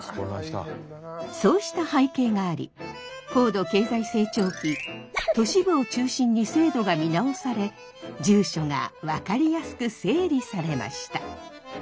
そうした背景があり高度経済成長期都市部を中心に制度が見直され住所が分かりやすく整理されました。